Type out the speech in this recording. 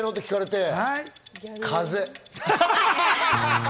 風。